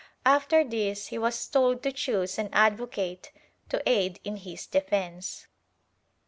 After this he was told to choose an advocate to aid in his defence.